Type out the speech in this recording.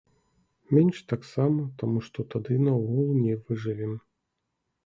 Менш таксама, таму што тады наогул не выжывем.